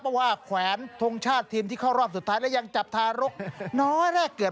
เพราะว่าแขวนทงชาติทีมที่เข้ารอบสุดท้ายแล้วยังจับทารกน้อยแรกเกิด